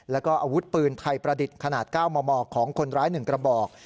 แล้วก็อาวุธปืนไทยประดิษฐ์ขนาด๙มมของคนร้าย๑กระบอก